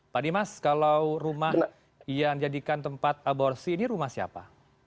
pak dimas kalau rumah yang dijadikan tempat aborsi ini rumah siapa